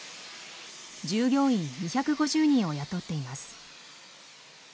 従業員２５０人を雇っています。